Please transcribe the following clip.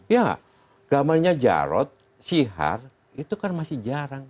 ya gambarnya jarod sihar itu kan masih jarang